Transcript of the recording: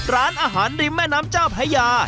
ร้านอาหารริมแม่น้ำเจ้าพระยา